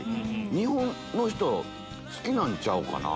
日本の人好きなんちゃうかな？